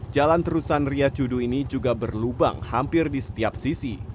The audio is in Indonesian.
jalan terusan ria cudu ini juga berlubang hampir di setiap sisi